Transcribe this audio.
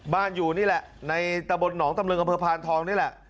อยู่นี่แหละในตะบลหนองตำลึงอำเภอพานทองนี่แหละ